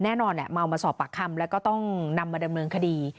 แน่นอนเมามาสอบปากคำแล้วก็ต้องนำมาดำเนินคดี